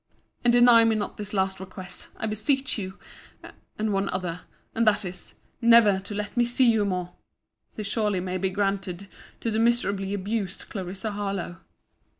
And deny me not this my last request, I beseech you; and one other, and that is, never to let me see you more! This surely may be granted to The miserably abused CLARISSA HARLOWE.